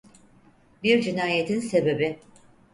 Bir Cinayetin Sebebi.